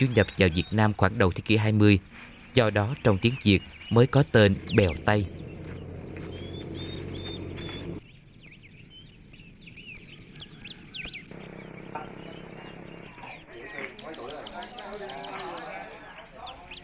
xuất nhập vào việt nam khoảng đầu thế kỷ hai mươi do đó trong tiếng việt mới có tên bèo tây à à à ừ ừ